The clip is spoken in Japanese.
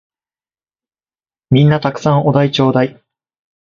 皆んな沢山お題ちょーだい！